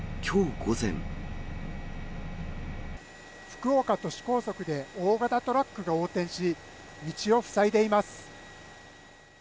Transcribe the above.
福岡都市高速で大型トラックが横転し、道を塞いでいます。